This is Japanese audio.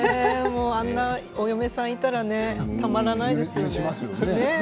あんなお嫁さんいたらねたまらないですね。